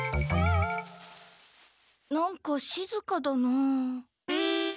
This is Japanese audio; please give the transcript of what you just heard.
何かしずかだな。